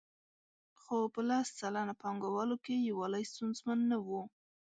خو په لس سلنه پانګوالو کې یووالی ستونزمن نه وو